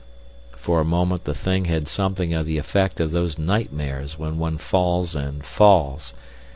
For the moment the thing had something of the effect of those nightmares when one falls and falls.